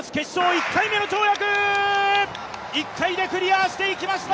１回でクリアしていきました